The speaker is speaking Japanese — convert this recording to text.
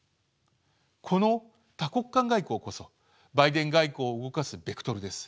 この多国間外交こそバイデン外交を動かすベクトルです。